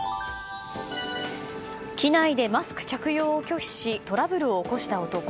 機内でマスク着用を拒否しトラブルを起こした男。